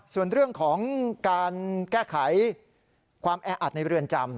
ส่วนเรื่องของการแก้ไขความแออัดในเรือนจำ